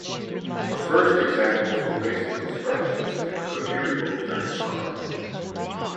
The first examples were basic constructions and could be removed during summer.